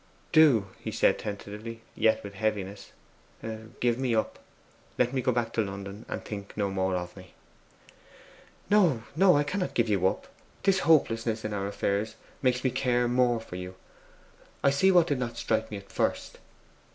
'Do?' he said tentatively, yet with heaviness. 'Give me up; let me go back to London, and think no more of me.' 'No, no; I cannot give you up! This hopelessness in our affairs makes me care more for you....I see what did not strike me at first.